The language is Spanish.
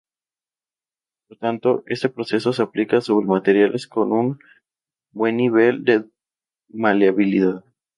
Por tanto, este proceso se aplica sobre materiales con un buen nivel de maleabilidad.